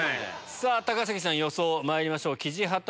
さぁ高杉さん予想まいりましょう。